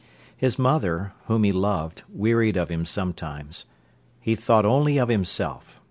His mother, whom he loved, wearied of him sometimes. He thought only of himself.